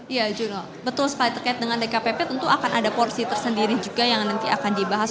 ya jurno betul sekali terkait dengan dkpp tentu akan ada porsi tersendiri juga yang nanti akan dibahas